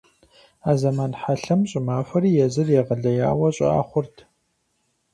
А зэман хьэлъэм щӀымахуэри езыр егъэлеяуэ щӀыӀэ хъурт.